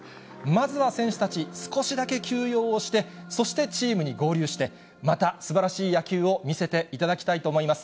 まずは選手たち、少しだけ休養をして、そしてチームに合流して、またすばらしい野球を見せていただきたいと思います。